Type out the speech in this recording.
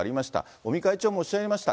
尾身会長もおっしゃいました。